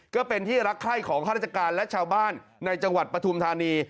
ก็เป็นที่รักไข้ของข้าราชการและชาวบ้านในจังหวัดปฐุมธานี